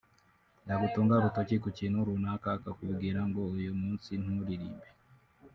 yagutunga urutoki ku kintu runaka akakubwira ngo uyu munsi nturirimbe